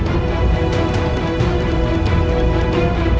sebentar lagi kalian akan hancur di tanganku